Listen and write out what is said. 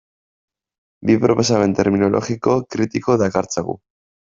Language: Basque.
Bi proposamen terminologiko kritiko dakartzagu.